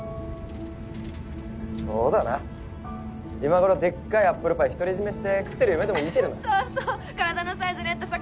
そうだな今頃でっかいアップルパイ独り占めして食ってる夢でも見てるなそうそう体のサイズに合ったさ